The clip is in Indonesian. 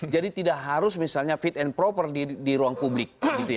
jadi tidak harus misalnya fit and proper di ruang publik